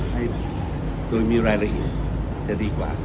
ให้โดยมีรายละเอียดจะดีกว่า